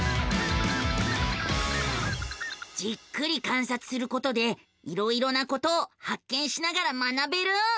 じっくり観察することでいろいろなことを発見しながら学べる。